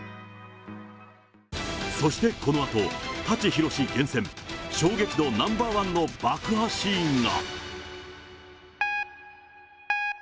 そしてこのあと、舘ひろし厳選、衝撃度ナンバー１の爆破シーンが。